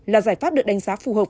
là giải pháp được đánh giá phù hợp